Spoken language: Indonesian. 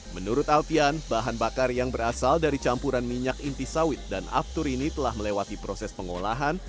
menurut alfian bahan bakar yang berasal dari campuran minyak inti sawit dan aftur ini telah melewati proses pengolahan